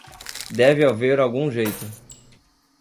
Deve haver algum jeito.